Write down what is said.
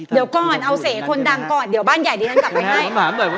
เดี๋ยวก่อนเอาเสคนดังก่อนเดี๋ยวบ้านใหญ่ดีฉันกลับไปให้